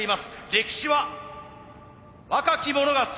歴史は若き者が作ります。